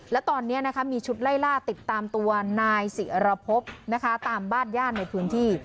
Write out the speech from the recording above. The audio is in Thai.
และตอนนี้มีชุดไล่ล่าติดตามตัวนายศิรพบนะคะตามบ้านญาติในพื้นที่